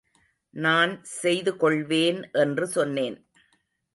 நான் செய்துகொள்வேன் என்று சொன்னேன்.